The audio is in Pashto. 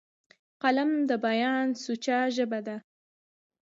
قلم د بیان سوچه ژبه ده